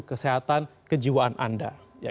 kesehatan kejiwaan anda